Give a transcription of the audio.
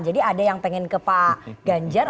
jadi ada yang pengen ke pak ganjar